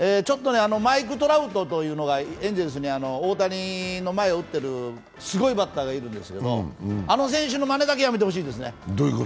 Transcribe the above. マイク・トラウトというエンゼルスで大谷の前を打ってるすごい選手がいるんですけどあの選手のまねだけはやめてほしいですね。